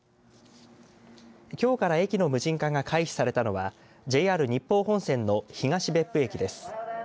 きょうから駅の無人化が回避されたのはＪＲ日豊本線の東別府駅です。